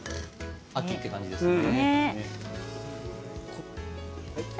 秋っていう感じですね。